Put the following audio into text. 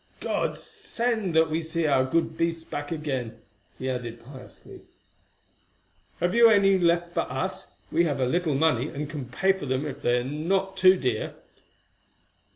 God send that we see our good beasts back again," he added piously. "Have you any left for us? We have a little money, and can pay for them if they be not too dear."